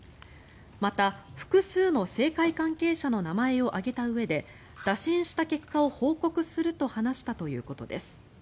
また、複数の政界関係者の名前を挙げたうえで打診した結果を報告すると話したということです。